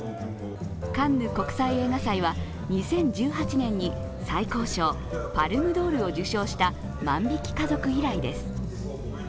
カンヌ国際映画祭は２０１８年に最高賞パルムドールを受賞した「万引き家族」以来です。